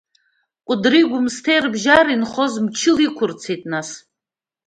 Кәыдри Гәымсҭеи рыбжьара инхоз мчыла иқәырцеит, нас…